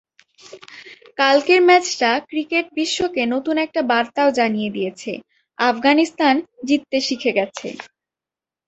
কালকের ম্যাচটা ক্রিকেট বিশ্বকে নতুন একটা বার্তাও জানিয়ে দিয়েছে—আফগানিস্তান জিততে শিখে গেছে।